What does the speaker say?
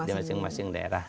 di masing masing daerah